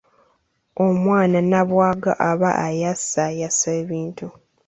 Omwana Nabbwaaga aba ayasaayasa ebintu.